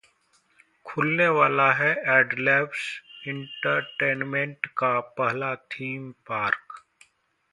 खुलने वाला है एडलैब्स एंटरटेनमेंट का पहला थीम पार्क